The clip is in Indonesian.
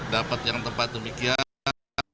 dapat yang tempat demikian